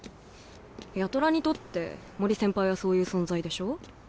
八虎にとって森先輩はそういう存在でしょ？